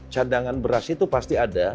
cadangan beras itu pasti ada